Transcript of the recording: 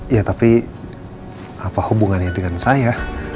ya tapi apa hubungannya dengan saya